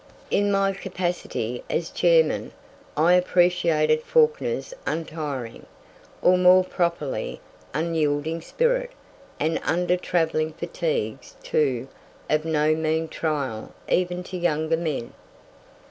In my capacity as chairman, I appreciated Fawkner's untiring, or more properly, unyielding spirit, and under travelling fatigues, too, of no mean trial even to younger men.